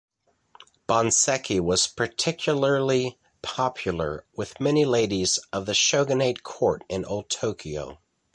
Bonseki was particularly popular with many ladies of the Shogunate court in old Tokyo.